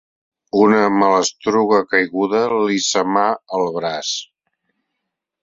Una malastruga caiguda li semà el braç.